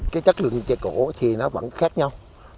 cái chất lượng của cây trà cổ thì nó vẫn khác nhau